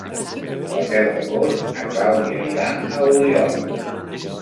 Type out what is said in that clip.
El deu d'agost na Clàudia irà a Oliola.